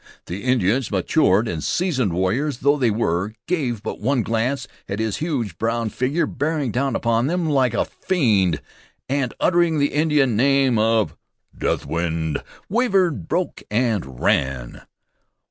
The Indians, matured and seasoned warriors though they were, gave but one glance at this huge, brown figure bearing down upon them like a fiend, and, uttering the Indian name of Deathwind, wavered, broke and ran.